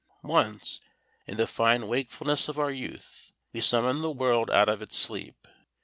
Once, in the fine wakefulness of our youth, we summoned the world out of its sleep.